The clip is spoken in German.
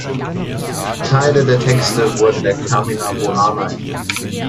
Teile der Texte wurden der Carmina Burana entnommen.